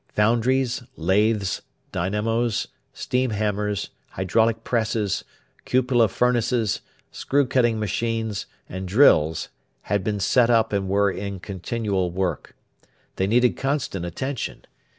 Foundries, lathes, dynamos, steam hammers, hydraulic presses, cupola furnaces, screw cutting machines, and drills had been set up and were in continual work. They needed constant attention.